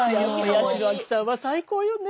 八代亜紀さんは最高よね！